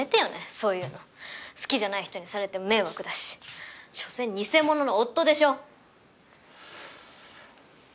そういうの好きじゃない人にされても迷惑だし所詮偽者の夫でしょ？